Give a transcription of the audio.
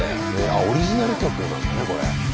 あオリジナル曲なんだねこれ。